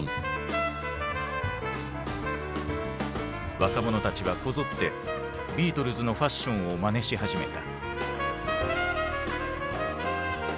若者たちはこぞってビートルズのファッションをまねし始めた。